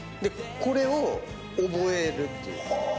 これを覚えるっていう。